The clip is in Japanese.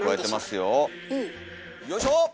よいしょ！